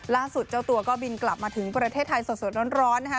เจ้าตัวก็บินกลับมาถึงประเทศไทยสดร้อนนะคะ